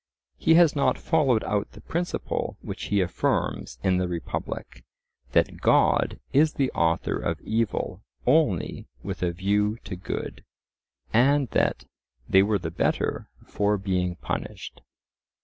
He has not followed out the principle which he affirms in the Republic, that "God is the author of evil only with a view to good," and that "they were the better for being punished."